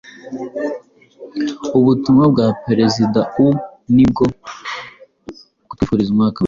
Ubutumwa bwa Perezida u ni ubwo kutwifuriza umwaka mushya